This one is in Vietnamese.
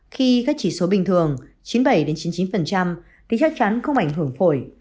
khi các chỉ số bình thường chín mươi bảy chín mươi chín thì chắc chắn không ảnh hưởng phổi